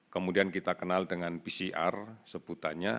kemudian kita kenal dengan pcr sebutannya